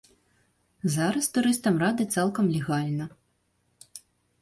Зараз турыстам рады цалкам легальна.